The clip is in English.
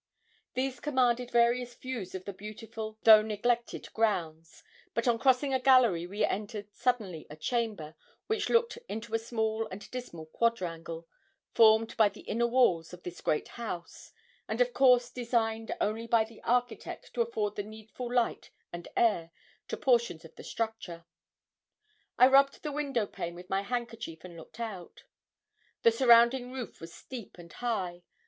These commanded various views of the beautiful though neglected grounds; but on crossing a gallery we entered suddenly a chamber, which looked into a small and dismal quadrangle, formed by the inner walls of this great house, and of course designed only by the architect to afford the needful light and air to portions of the structure. I rubbed the window pane with my handkerchief and looked out. The surrounding roof was steep and high.